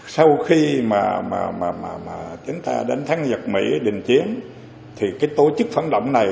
sau khi mà chúng ta đến tháng nhật mỹ định chiến thì cái tổ chức phản động này